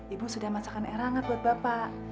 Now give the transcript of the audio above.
ibu sudah masakan erangat buat bapak